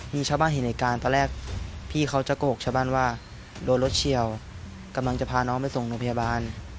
มีชาวบ้านเห็นเหตุการณ์ตอนแรกพี่เขาจะโกกชาวบ้านว่าโดนรถเฉียวกำลังจะพาน้องไปส่งโรงพยาบาล